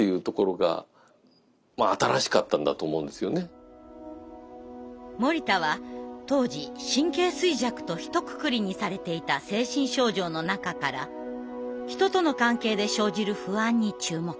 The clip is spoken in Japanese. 社交不安症というか森田は当時神経衰弱とひとくくりにされていた精神症状の中から人との関係で生じる不安に注目。